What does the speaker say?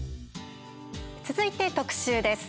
続いて特集です。